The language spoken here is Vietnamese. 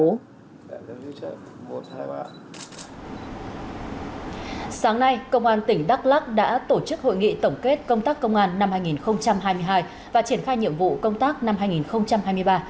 sáng nay công an tỉnh đắk lắc đã tổ chức hội nghị tổng kết công tác công an năm hai nghìn hai mươi hai và triển khai nhiệm vụ công tác năm hai nghìn hai mươi ba